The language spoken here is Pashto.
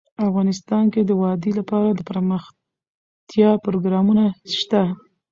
افغانستان کې د وادي لپاره دپرمختیا پروګرامونه شته.